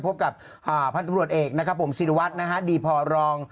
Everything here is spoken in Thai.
พบกับพันธุรวจเอกสิรวัตรดพลอง